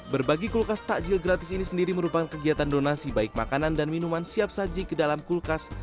berbagi kulkas takjil gratis ini sendiri merupakan kegiatan donasi baik makanan dan minuman siap saji ke dalam kulkas